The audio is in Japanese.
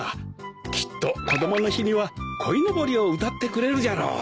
きっとこどもの日には『こいのぼり』を歌ってくれるじゃろう。